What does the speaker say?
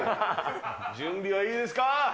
準備はいいですか。